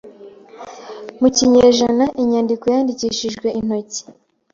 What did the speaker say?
mukinyejana Inyandiko yandikishijwe intoki